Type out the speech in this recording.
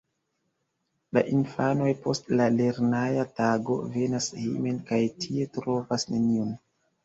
La infanoj post la lerneja tago venas hejmen kaj tie trovas neniun.